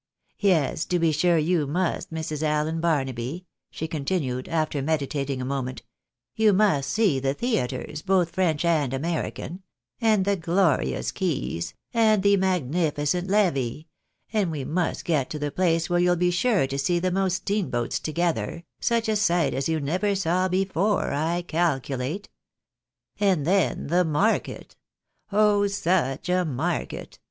Yes, to be sure you must, Mrs. Allen Barnaby," she continued, after meditating a moment, "you must see the theatres, both French and American ; and the glorious quays, and the magnificent levee, and we must get to the place where you'U be sure to see the most steamboats together, such a sight as you never saw before, I calculate. And then the market ! Oh, such a market